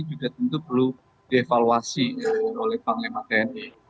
juga tentu perlu dievaluasi oleh panglima tni